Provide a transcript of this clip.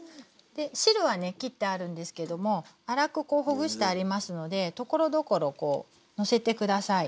汁はねきってあるんですけども粗くこうほぐしてありますのでところどころこうのせて下さい。